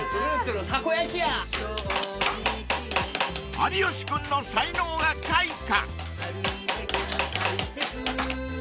［有吉君の才能が開花］